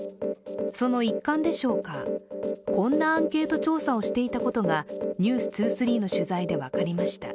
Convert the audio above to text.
その一環でしょうか、こんなアンケート調査をしていたことが「ｎｅｗｓ２３」の取材で分かりました。